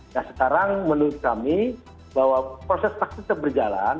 nah sekarang menurut kami bahwa proses vaksin tetap berjalan